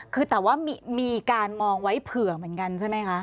คือแต่ว่ามีการมองไว้เผื่อเหมือนกันใช่ไหมคะ